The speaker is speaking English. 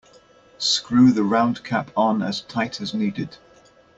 Screw the round cap on as tight as needed.